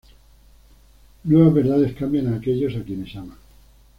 Nuevas verdades cambian a aquellos a quienes ama.